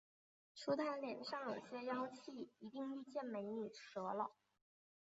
说他脸上有些妖气，一定遇见“美女蛇”了